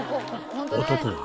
男は